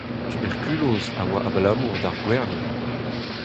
Tuberkuloz a oa abalamour d'ar gwernioù.